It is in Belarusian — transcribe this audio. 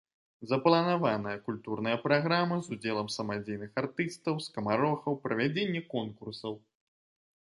Запланаваная культурная праграма з удзелам самадзейных артыстаў, скамарохаў, правядзенне конкурсаў.